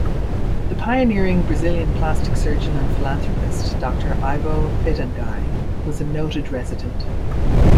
The pioneering Brazilian plastic surgeon and philanthropist Doctor Ivo Pitanguy was a noted resident.